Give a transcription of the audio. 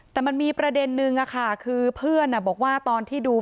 แต่มันมีประเด็นนึงคือเพื่อนบอกว่าตอนที่ดู